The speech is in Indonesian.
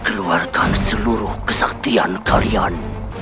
keluarkan seluruh kesaktian kalian